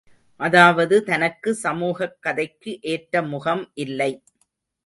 அதாவது தனக்கு சமூகக் கதைக்கு ஏற்ற முகம் இல்லை.